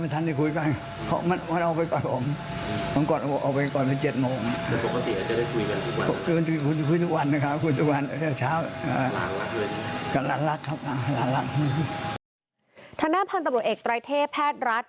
ทางด้านพันธุ์ตำรวจเอกไตรเทพแพทย์รัฐ